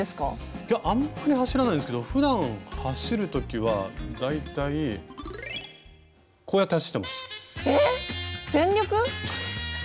いやあんまり走らないですけどふだん走る時は大体こうやって走ってます。